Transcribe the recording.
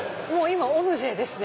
今オブジェですね！